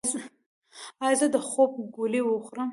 ایا زه د خوب ګولۍ وخورم؟